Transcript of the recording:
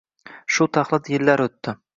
Shu taxlit yillar oʻtdi